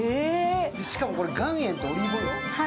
しかもこれ、岩塩とオリーブオイルですよ。